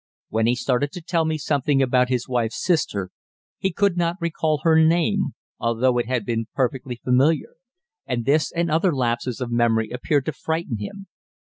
When he started to tell me something about his wife's sister, he could not recall her name, although it had been perfectly familiar, and this and other lapses of memory appeared to frighten him.